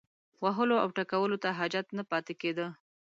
وهلو او ټکولو ته حاجت نه پاتې کېده.